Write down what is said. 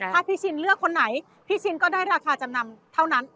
ถ้าพี่ชินเลือกคนไหนพี่ชินก็ได้ราคาจำนำเท่านั้น